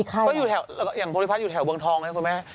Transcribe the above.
ก็อยู่แถวอย่างภูริพัฒน์อยู่แถวเมืองทองนะครับคุณแม่